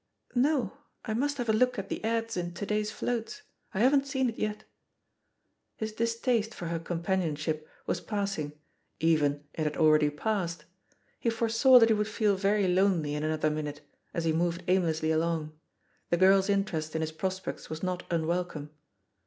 ''No, I must have a look at the ads in to day's floats. I haven't seen it yet." His distaste for her companionship was pass ing, even it had already passed. He foresaw that he would feel very lonely in another minute, as he moved aimlessly along; the girl's interest in his prospects was not unwelcome.